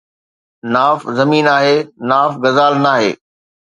ناف زمين آهي، ناف غزال ناهي